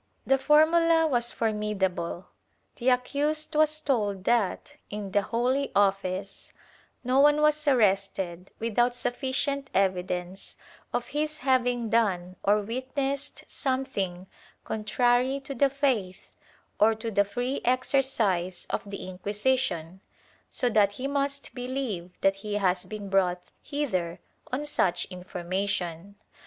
The formula was formidable. The accused was told that, in the Holy Office, no one was arrested without sufficient evidence of his having done or witnessed something contrary to the faith or to the free exercise of the Inquisition, so that he must beheve that he has been brought hither on such information.